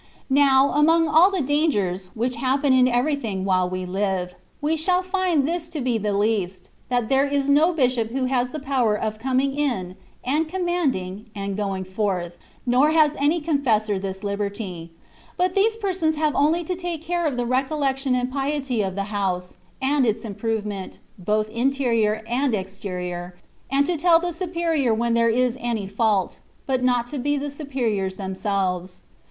Now, 'among all the dangers (which happen in everything, while we live), we shall find this to be the least, that there is no bishop who has the power of coining in, and commanding, and going forth, nor has any confessor this liberty ; but these persons have only to take care of the recollection and piety of the house, and its improvement, both interior and exterior, and to tell the superior when there is any fault, but not to be the superiors themselves.